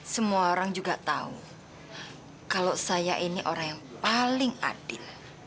semua orang juga tahu kalau saya ini orang yang paling adil